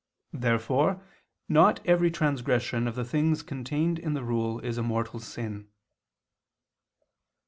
Therefore not every transgression of the things contained in the rule is a mortal sin.